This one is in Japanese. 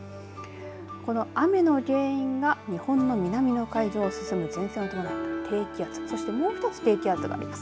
この雨の原因が日本の南の海上を進む前線を伴った低気圧そしてもう一つ低気圧があります